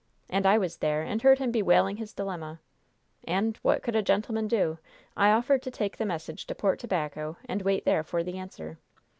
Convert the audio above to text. And I was there, and heard him bewailing his dilemma, and what could a gentleman do? I offered to take the message to Port Tobacco, and wait there for the answer."